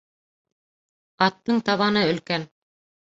Аттың табаны өлкән